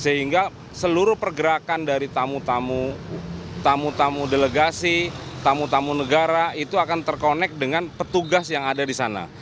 sehingga seluruh pergerakan dari tamu tamu tamu tamu delegasi tamu tamu negara itu akan terkonek dengan petugas yang ada di sana